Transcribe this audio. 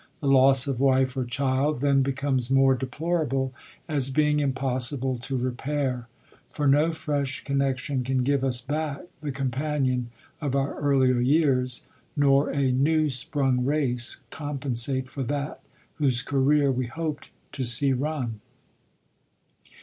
The loss of wife or child then becomes more deplorable, as being impos sible to repair ; for no fresh connexion can give us back the companion of our earlier years, nor a " new sprung race v> compensate for that, whose career we hoped to see run.